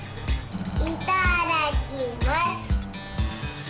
いただきます。